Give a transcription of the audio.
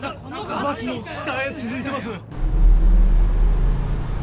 ⁉・バスの下へ続いてます。